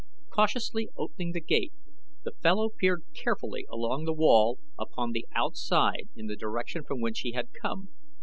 Cautiously opening the gate the fellow peered carefully along the wall upon the outside in the direction from which he had come.